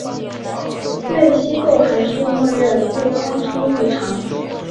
类析构函数默认不抛出异常。